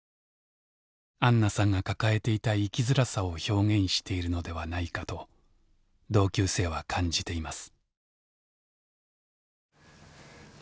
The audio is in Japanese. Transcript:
あんなさんが抱えていた生きづらさを表現しているのではないかと同級生は感じています。